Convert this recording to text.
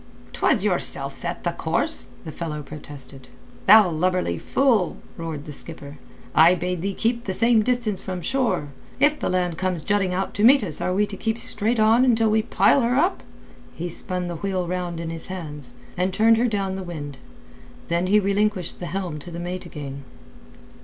"'Twas yourself set the course," the fellow protested. "Thou lubberly fool," roared the skipper. "I bade thee keep the same distance from shore. If the land comes jutting out to meet us, are we to keep straight on until we pile her up?" He spun the wheel round in his hands, and turned her down the wind. Then he relinquished the helm to the mate again.